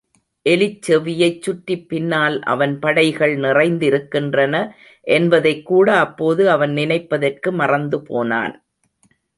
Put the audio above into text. எலிச்செவியைச் சுற்றிப் பின்னால் அவன் படைகள் நிறைந்திருக்கின்றன என்பதைக் கூட அப்போது அவன் நினைப்பதற்கு மறந்து போனான்.